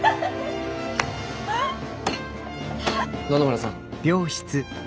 野々村さん。